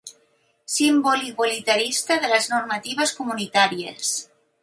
Símbol igualitarista de les normatives comunitàries.